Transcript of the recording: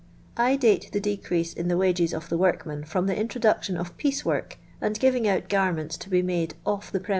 I date the decrease in the wages of the workman from the introduction of piece work and giving out garments to be made off the premi.